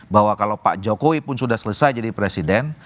bahwa kalau pak jokowi pun sudah selesai jadi presiden